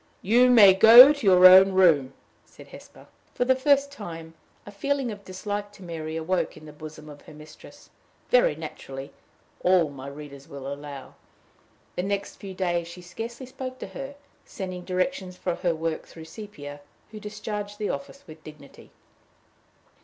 "You may go to your own room," said Hesper. For the first time, a feeling of dislike to Mary awoke in the bosom of her mistress very naturally, all my readers will allow. The next few days she scarcely spoke to her, sending directions for her work through Sepia, who discharged the office with dignity.